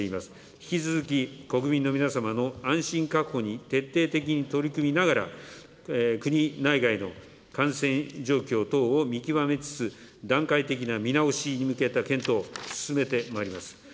引き続き、国民の皆様の安心確保に徹底的に取り組みながら、国内外の感染状況等を見極めつつ、段階的な見直しに向けた検討を進めてまいります。